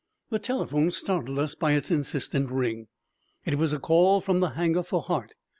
The telephone startled us by its insistent ring. It was a call from the hangar for Hart.